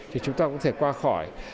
thì chúng ta cũng thể qua khỏi